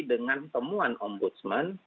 dengan temuan ombudsman